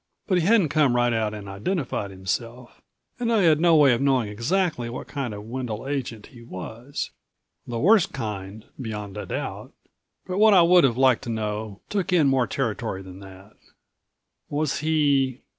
But he hadn't come right out and identified himself, and I had no way of knowing exactly what kind of Wendel agent he was. The worst kind, beyond a doubt. But what I would have liked to know took in more territory than that. Was he